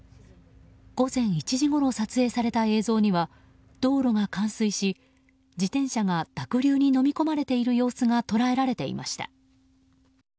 午前１時ごろ撮影された映像には道路が冠水し自転車が濁流にのみ込まれている様子が捉えられていました。